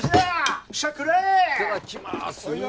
いただきます